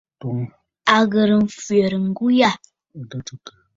À ghɨ̀rə mfwɛ̀rə ŋgu yâ.